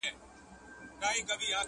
دا هډوکی د لېوه ستوني کي بند سو.!